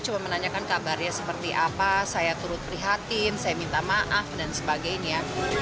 coba menanyakan kabarnya seperti apa saya turut prihatin saya minta maaf dan sebagainya